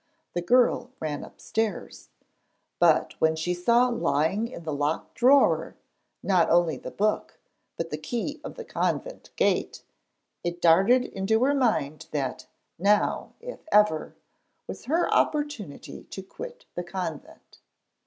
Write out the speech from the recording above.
The girl ran upstairs, but when she saw lying in the locked drawer, not only the book, but the key of the convent gate, it darted into her mind that now, if ever, was her opportunity to quit the convent.